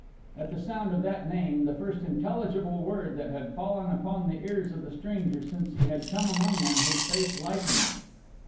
At the sound of that name, the first intelligible word that had fallen upon the ears of the stranger since he had come among them, his face lightened.